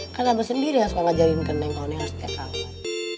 kan abah sendiri yang suka ngajarin ke neng kau nih setiap tahun